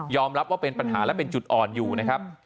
รับว่าเป็นปัญหาและเป็นจุดอ่อนอยู่นะครับ